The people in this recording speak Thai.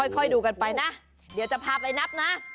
ค่อยดูกันไปนะเดี๋ยวจะพาไปนับนะ